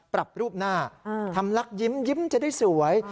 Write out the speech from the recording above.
ปรับรูปหน้าทำลักยิ้มจะได้สวย